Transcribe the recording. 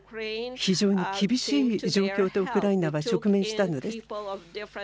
非常に厳しい状況とウクライナは直面したのです。